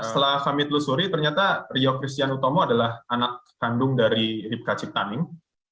setelah kami telusuri ternyata rio christian utomo adalah anak kandung dari ripka ciptaning